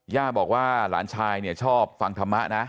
ย่าบอกว่าหลานชายเนี่ยชอบฟังธรรมะนะ